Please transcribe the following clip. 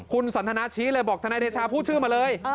คุณสันทนาชี้เลยบอกทนายเดชาพูดชื่อมาเลย